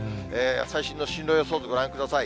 最新の進路予想図ご覧ください。